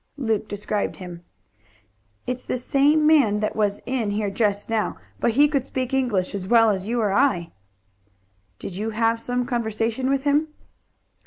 Luke described him. "It's the same man that was in here just now, but he could speak English as well as you or I." "Did you have some conversation with him?"